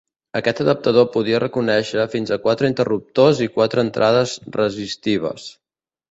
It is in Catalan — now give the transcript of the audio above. Aquest adaptador podia reconèixer fins a quatre interruptors i quatre entrades resistives.